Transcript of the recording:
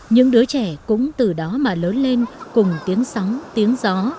những đứa trẻ cũng từ đó mà lớn lên cùng tiếng sóng tiếng gió